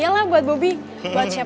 aduh capek banget